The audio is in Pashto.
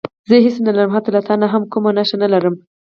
زه هېڅ نه لرم حتی له تا نه هم کومه نښه نه لرم.